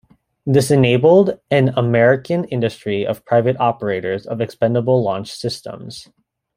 This enabled an American industry of private operators of expendable launch systems.